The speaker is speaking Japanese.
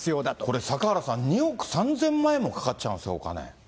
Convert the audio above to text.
これ坂原さん、２億３０００万円もかかっちゃうんですか、お金。